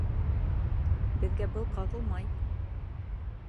Беҙгә был ҡағылмай.